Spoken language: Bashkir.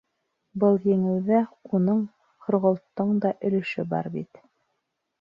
Был еңеүҙә, уның, Һорғолттоң да, өлөшө бар бит.